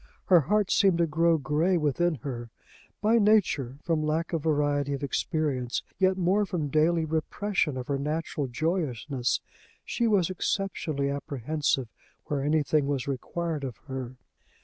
Her heart seemed to grow gray within her. By nature, from lack of variety of experience, yet more from daily repression of her natural joyousness, she was exceptionally apprehensive where anything was required of her.